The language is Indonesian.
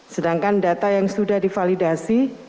sedangkan data yang sudah divalidasi